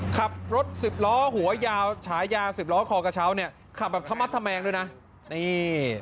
ขับรถสิบล้อหัวยาวฉายาสิบล้อคอกระเช้าเนี่ยขับแบบธมัดทะแมงด้วยนะนี่